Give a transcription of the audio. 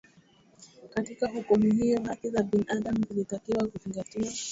katika hukumu hiyo haki za binadamu zilitakiwa kuzingatiwa